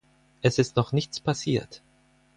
Es ist noch nichts passiert.